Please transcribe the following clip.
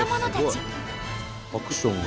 アクションが。